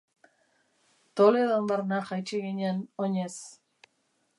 Toledon barna jaitsi ginen, oinez.